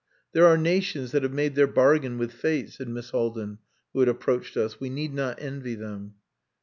"There are nations that have made their bargain with fate," said Miss Haldin, who had approached us. "We need not envy them."